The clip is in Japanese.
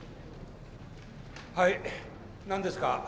はい何ですか？